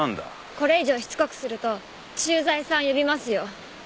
これ以上しつこくすると駐在さん呼びますよ。